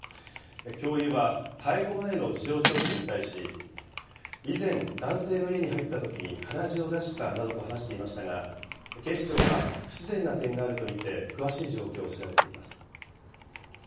教諭は逮捕前の事情聴取に対し、以前、男性の家に入ったときに鼻血を出したなどと話していましたが、警視庁は不自然な点があると見て、詳しい状況を調べています。